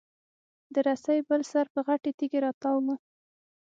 د رسۍ بل سر په غټې تېږي راتاو و.